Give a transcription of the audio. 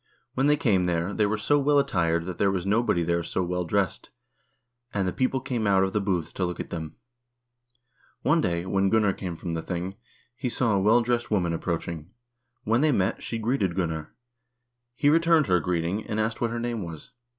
When they came there, they were so well attired that there was nobody there so well dressed, and the people came out of the booths to look at them. ... One day when Gunnar came from the thing, he saw a well dressed woman approach ing. When they met, she greeted Gunnar. He returned her greet ing, and asked what her name was.